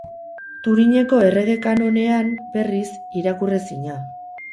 Turineko Errege Kanonean, berriz, irakurrezina.